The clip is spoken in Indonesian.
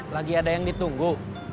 lagi ada yang ditunggu